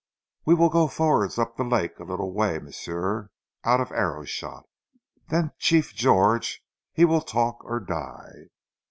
"We weel go forwards up zee lak' a leetle way, m'sieu, out of arrow shot. Den Chief George he weel talk or die."